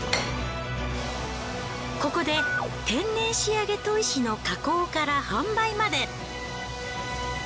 ここで天然仕上げ砥石の加工から販売まで。